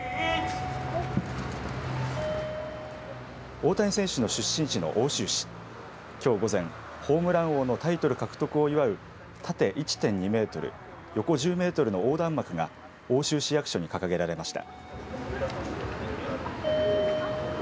大谷選手の出身地の奥州市きょう午前、ホームラン王のタイトル獲得を祝う縦１．２メートル横１０メートルの横断幕が奥州市役所に掲げられました。